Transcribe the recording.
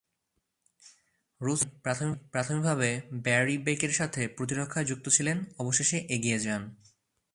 রুতসালেইন, প্রাথমিকভাবে ব্যারি বেকের সাথে প্রতিরক্ষায় যুক্ত ছিলেন, অবশেষে এগিয়ে যান।